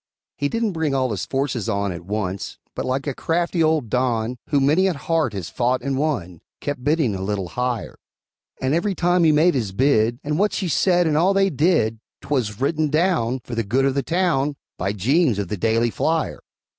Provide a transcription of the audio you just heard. He didn't bring all his forces on At once, but like a crafty old Don, Who many a heart had fought and won, Kept bidding a little higher; And every time he made his bid, And what she said, and all they did 'Twas written down, For the good of the town, By Jeems, of The Daily Flyer.